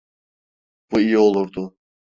Bu iyi olurdu.